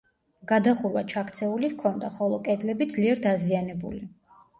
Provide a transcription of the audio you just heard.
გადახურვა ჩაქცეული ჰქონდა, ხოლო კედლები ძლიერ დაზიანებული.